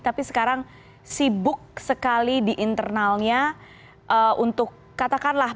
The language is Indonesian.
tapi sekarang sibuk sekali di internalnya untuk katakanlah